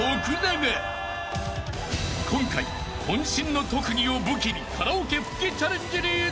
［今回渾身の特技を武器にカラオケ復帰チャレンジに挑む］